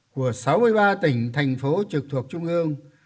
của sáu mươi ba tỉnh thành phố trực thuộc trung ương